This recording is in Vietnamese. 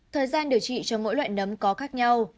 thời gian điều trị cho mỗi loại nấm có khác nhau